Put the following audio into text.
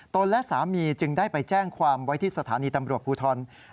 และสามีจึงได้ไปแจ้งความไว้ที่สถานีตำรวจภูทร